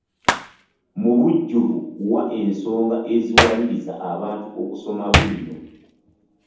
Mu bujjuvu, wa ensonga eziwaliriza abantu okusoma bwino.